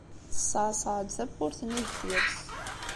Teṣṣeɛṣeɛ-d tawwurt-nni deffir-s.